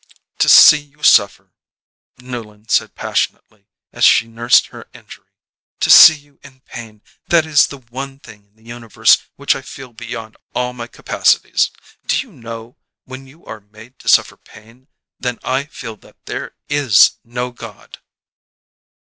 "To see you suffer," Newland said passionately as she nursed her injury: "to see you in pain, that is the one thing in the universe which I feel beyond all my capacities. Do you know, when you are made to suffer pain, then I feel that there is no God!"